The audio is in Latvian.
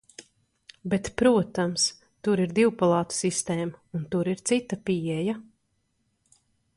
Bet, protams, tur ir divpalātu sistēma, un tur ir cita pieeja.